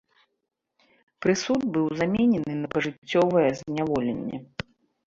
Прысуд быў заменены на пажыццёвае зняволенне.